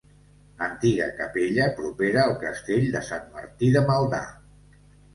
Antiga capella propera al castell de Sant Martí de Maldà.